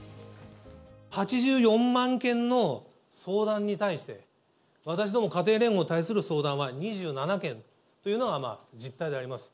８４万件の相談に対して、私ども家庭連合に対する相談は２７件というのが実態であります。